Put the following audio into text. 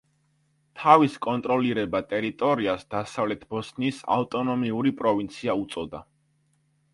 თავის კონტროლირებად ტერიტორიას დასავლეთ ბოსნიის ავტონომიური პროვინცია უწოდა.